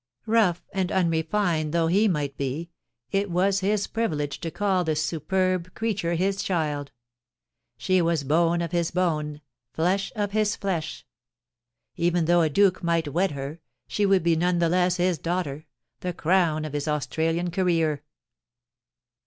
Rough and unrefined though he might be, it was his privilege to call this superb creature his child. She was bone of his bone, flesh of his flesh. Even though a duke might wed her, she would be none the less his daughter — the crown of his Australian career.